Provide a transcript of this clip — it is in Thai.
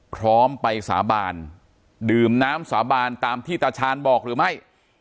พร้อมไปสาบานดื่มน้ำสาบานตามที่ตาชาญบอกหรือไม่